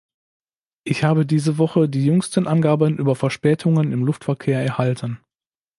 Ich habe diese Woche die jüngsten Angaben über Verspätungen im Luftverkehr erhalten.